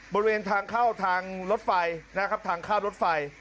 บริเวณทางเข้าทางรถไฟนะครับทางข้ามรถไฟ